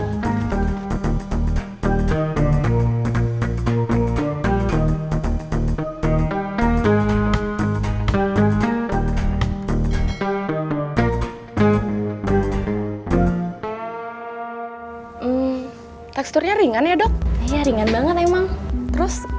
dijalur dari rubgens